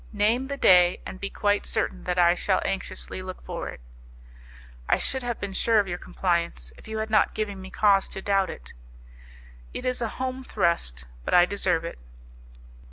Name the day, and be quite certain that I shall anxiously look for it." "I should have been sure of your compliance, if you had not given me cause to doubt it." "It is a home thrust, but I deserve it."